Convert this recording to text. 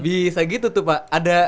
bisa gitu tuh pak